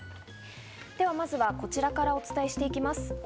では、まずはこちらからお伝えしていきます。